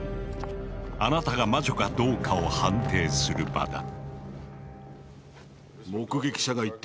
あなたが魔女かどうかを判定する場だ。